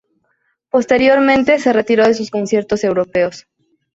Posteriormente, se retiró de sus conciertos europeos.